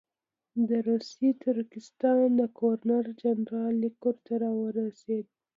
د روسي ترکستان د ګورنر جنرال لیک ورته راورسېد.